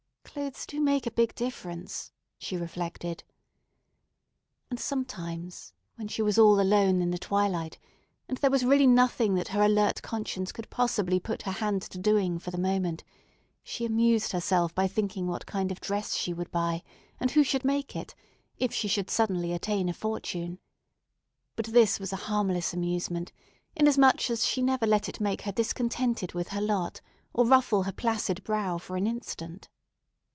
"Clothes do make a big difference," she reflected. And sometimes when she was all alone in the twilight, and there was really nothing that her alert conscience could possibly put her hand to doing for the moment, she amused herself by thinking what kind of dress she would buy, and who should make it, if she should suddenly attain a fortune. But this was a harmless amusement, inasmuch as she never let it make her discontented with her lot, or ruffle her placid brow for an instant.